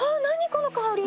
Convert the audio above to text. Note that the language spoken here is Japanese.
この香り。